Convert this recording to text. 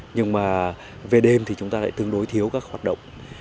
nhưng mà về đêm thì chúng ta lại tương đối thiếu các hoạt động